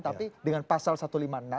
tapi dengan pasal satu ratus lima puluh enam